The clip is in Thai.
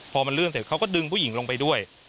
พอมันเลื่อนเสร็จเขาก็ดึงผู้หญิงลงไปด้วย